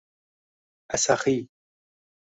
asaxiy